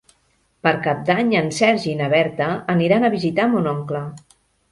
Per Cap d'Any en Sergi i na Berta aniran a visitar mon oncle.